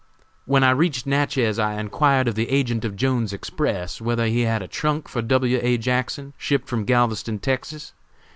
When I reached Natchez, I enquired of the agent of Jones's Express whether he had a trunk for W. A. Jackson, shipped from Galveston, Texas.